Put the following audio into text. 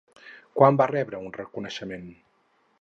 Quan va rebre un reconeixement?